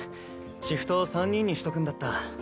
シフト３人にしとくんだった。